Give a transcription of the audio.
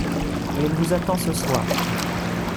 Et elle vous attend ce soir.